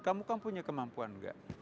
kamu kan punya kemampuan